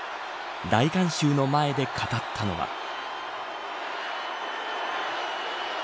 大観衆の前で語ったのは。